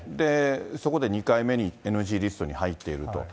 そこで２回目にＮＧリストに入っていると。